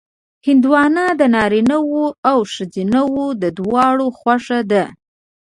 هندوانه د نارینهوو او ښځینهوو دواړو خوښه ده.